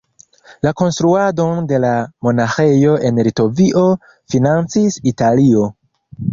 La konstruadon de la monaĥejo en Litovio financis Italio.